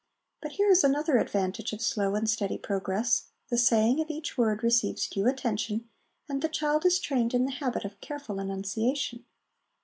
But here is another advantage of slow and steady progress the saying of each word receives due attention, and the child is trained in the habit of careful enunciation.